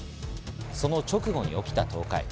その直後に起きた倒壊。